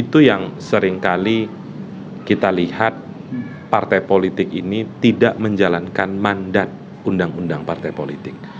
itu yang seringkali kita lihat partai politik ini tidak menjalankan mandat undang undang partai politik